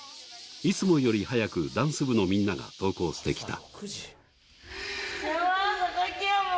いつもより早くダンス部のみんなが登校してきた。